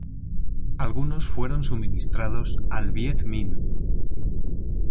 Algunos fueron suministrados al Viet Minh.